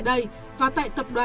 tuy nhiên trong hoạt động cho vay